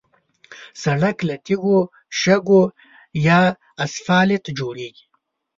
سړک له تیږو، شګو یا اسفالت جوړېږي.